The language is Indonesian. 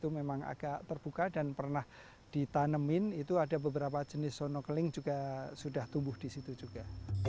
memang agak terbuka dan pernah ditanemin itu ada beberapa jenis sono keling juga sudah tumbuh di situ juga